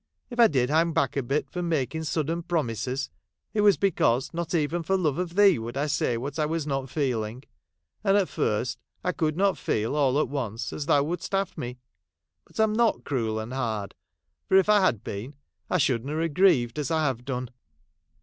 If I did hang back a bit from making sudden promises, it was because not even for love of thee, would I say what I was not feeling ; and at iirst I could not feel all at once as thou wouldst have me. But I 'm not cruel and hard ; for if I had been, I should na' have grieved as I have done.'